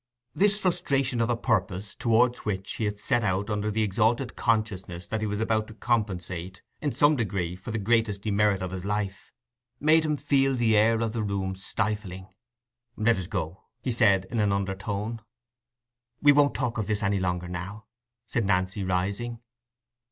This frustration of a purpose towards which he had set out under the exalted consciousness that he was about to compensate in some degree for the greatest demerit of his life, made him feel the air of the room stifling. "Let us go," he said, in an under tone. "We won't talk of this any longer now," said Nancy, rising.